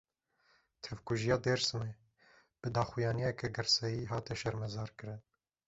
Tevkujiya Dêrsimê, bi daxuyaniyeke girseyî hate şermezarkirin